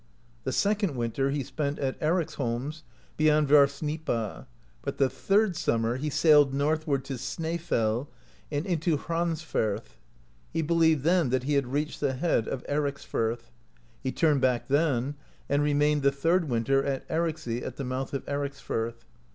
The second winter he spent at Ericsholms I^eyond Hvarfsgnipa, But the third summer he sailed northward to Snaefell, and into Hrafnsfirth, He believed then that he had reached the head of Erics firth ; he turned back then, and remained the third win ter at Ericsey at the mouth of Ericsfirth (25).